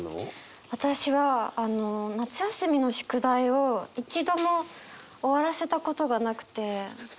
私は夏休みの宿題を一度も終わらせたことがなくて。